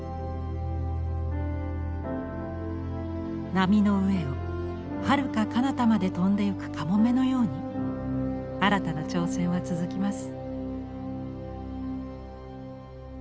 波の上をはるかかなたまで飛んでゆくカモメのように新たな挑戦は続きます。